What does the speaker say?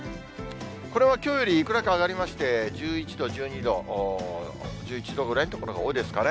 これはきょうよりいくらか上がりまして、１１度、１２度、１１度ぐらいの所が多いですかね。